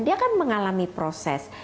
dia akan mengalami proses